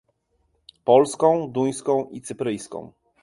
polską, duńską i cypryjską